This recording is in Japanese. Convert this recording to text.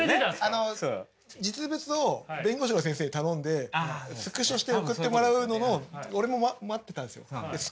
あの実物を弁護士の先生に頼んでスクショして送ってもらうのを俺も待ってたんですよ。